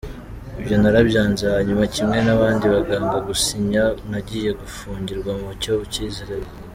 Ibyo narabyanze hanyuma kimwe n’abandi bangaga gusinya nagiye gufungirwa mu kigo cy’inzererezi.